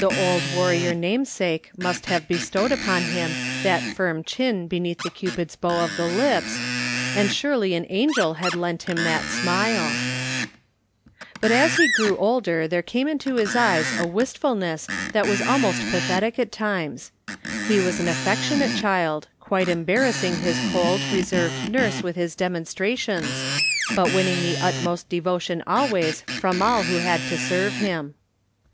The old warrior namesake must have bestowed upon him that firm chin beneath the cupid's bow of the lips, and surely an angd had lent him that smile ! But as he grew older there came into his eyes a wistfulness that was almost pathetic at times. He was an affectionate child, quite embarrassing his cold, re served nurse with his demonstrations, but winning the utmost devotion always from all who had to serve him.